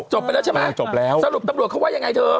จบไปแล้วใช่ไหมจบแล้วสรุปตำรวจเขาว่ายังไงเธอ